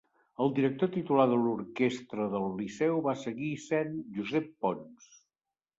El director titular de l'orquestra del Liceu va seguir sent Josep Pons.